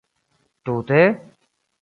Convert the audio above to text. Tute?